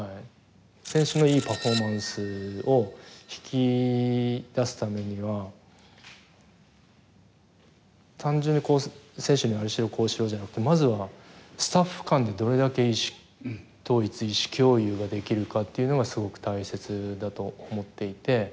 選手のいいパフォーマンスを引き出すためには単純に、選手にああしろ、こうしろじゃなくてまずはスタッフ間でどれだけ意思統一意思共有ができるかというのがすごく大切だと思っていて。